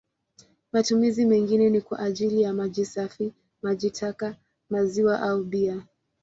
Matumizi mengine ni kwa ajili ya maji safi, maji taka, maziwa au bia.